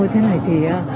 ôi thế này thì